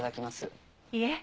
いえ。